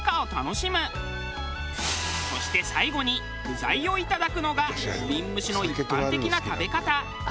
そして最後に具材をいただくのが土瓶蒸しの一般的な食べ方。